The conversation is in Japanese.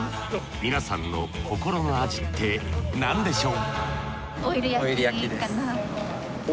皆さんの心の味って何でしょう？